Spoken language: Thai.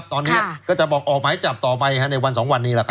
ตอนนี้ก็จะบอกออกหมายจับต่อไปในวัน๒วันนี้